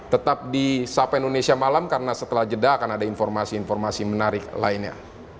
tetap di sapa indonesia malam karena setelah jeda akan ada informasi informasi menarik lainnya